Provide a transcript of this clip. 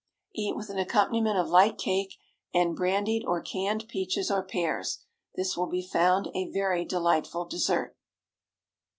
Eat with an accompaniment of light cake and brandied, or canned peaches or pears. This will be found a very delightful dessert.